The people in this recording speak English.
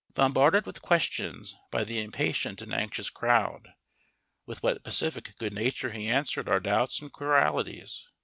Bombarded with questions by the impatient and anxious crowd, with what pacific good nature he answered our doubts and querulities.